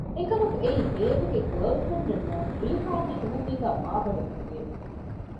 އެކަމަކު އެއީ ބޭބެގެ ގާރލް ފްރެންޑެއް ނޫން ރީޙާން އެނދުމަތީގައި މާބޮނޑި ބޭއްވި